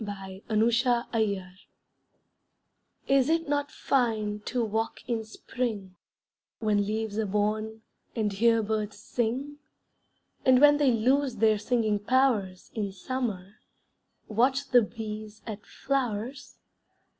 WINTER'S BEAUTY Is it not fine to walk in spring, When leaves are born, and hear birds sing? And when they lose their singing powers, In summer, watch the bees at flowers?